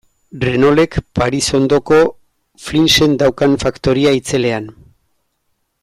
Renaultek Paris ondoko Flinsen daukan faktoria itzelean.